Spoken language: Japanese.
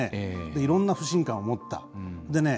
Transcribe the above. いろんな不信感を持った。